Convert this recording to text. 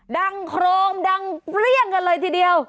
ดังโครมดังเปรี้ยงกันเลยทีเดียว